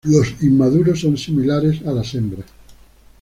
Los inmaduros son similares a las hembras.